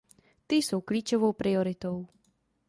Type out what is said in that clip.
Ty jsou klíčovou prioritou.